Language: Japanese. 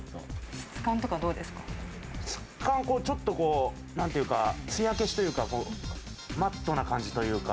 質感とか、どうですか？なんていうか、つや消しというか、マットな感じというか。